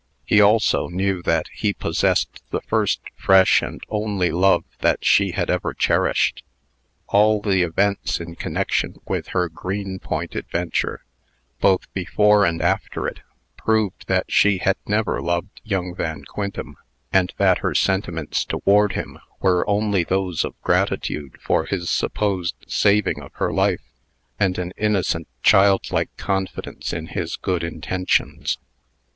He also knew that he possessed the first, fresh, and only love that she had ever cherished. All the events in connection with her Greenpoint adventure, both before and after it, proved that she had never loved young Van Quintem, and that her sentiments toward him were only those of gratitude for his supposed saving of her life, and an innocent, childlike confidence in his good intentions.